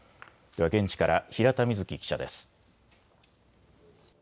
現地から平田瑞季記者です。